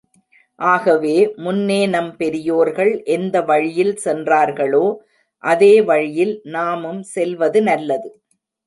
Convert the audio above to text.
ஆகவே, முன்னே நம் பெரியோர்கள் எந்த வழியில் சென்றார்களோ அதே வழியில் நாமும் செல்வது நல்லது.